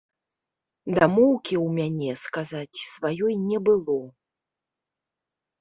Дамоўкі ў мяне, сказаць, сваёй не было.